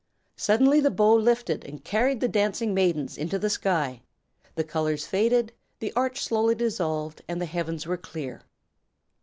Suddenly the bow lifted and carried the dancing maidens into the sky. The colors faded, the arch slowly dissolved and the heavens were clear.